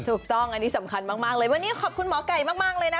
ถูกต้องอันนี้สำคัญมากเลยวันนี้ขอบคุณหมอไก่มากเลยนะ